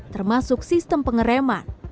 termasuk sistem pengereman